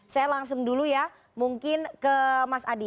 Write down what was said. saya langsung dulu ya mungkin ke mas adi